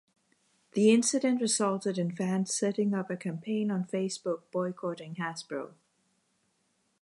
The incident resulted in fans setting up a campaign on Facebook boycotting Hasbro.